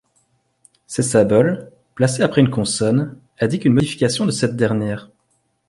Ces symboles, placés après une consonne, indiquent une modification de cette dernière.